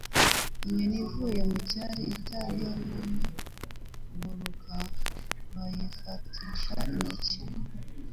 Inyoni ivuye mu cyari itaramenya kuguruka bayifatisha intoki